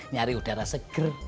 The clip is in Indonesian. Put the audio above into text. ngari udara seger